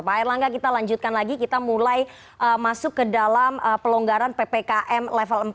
pak erlangga kita lanjutkan lagi kita mulai masuk ke dalam pelonggaran ppkm level empat